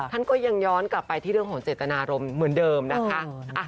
ท่านก็ยังย้อนกลับไปที่เรื่องของเจตนารมณ์เหมือนเดิมนะคะ